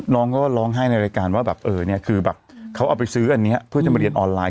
น้องก็ร้องไห้ในรายการว่าแบบเออเนี่ยคือแบบเขาเอาไปซื้ออันนี้เพื่อจะมาเรียนออนไลน